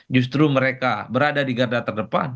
justru mereka berada di garda terdepan